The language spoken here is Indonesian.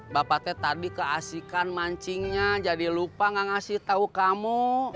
bapak teh tadi keasikan mancingnya jadi lupa ga ngasih tau kamu